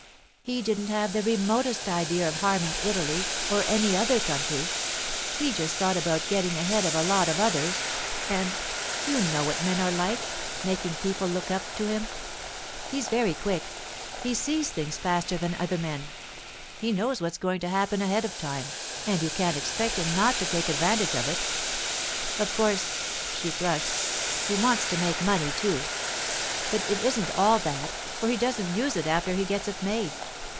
He didn't have the remotest idea of harming Italy or any other country. He just thought about getting ahead of a lot of others, and—you know what men are like—making people look up to him. He's very quick; he sees things faster than other men; he knows what's going to happen ahead of time, and you can't expect him not to take advantage of it. Of course'—she flushed—'he wants to make money, too; but it isn't all that, for he doesn't use it after he gets it made.